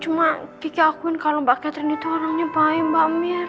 cuma kiki akuin kalau mbak ketri itu orangnya baik mbak mir